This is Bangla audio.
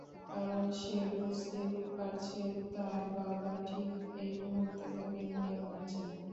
কারণ সে বুঝতে পারছে, তার বাবা ঠিক এই মুহূর্তে তাকে নিয়ে ভাবছেন।